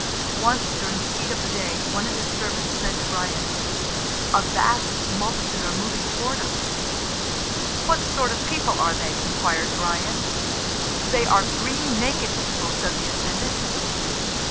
Once during the heat of the day one of his servants said to Brian, "A vast multitude are moving towards us." "What sort of people are they?" inquired Brian. "They are green naked people." said the attendant.